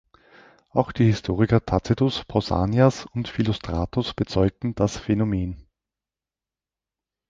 Auch die Historiker Tacitus, Pausanias und Philostratos bezeugten das Phänomen.